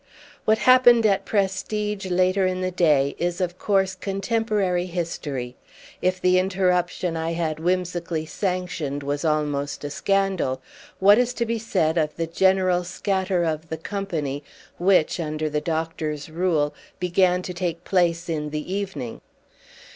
What happened at Prestidge later in the day is of course contemporary history. If the interruption I had whimsically sanctioned was almost a scandal, what is to be said of that general scatter of the company which, under the Doctor's rule, began to take place in the evening?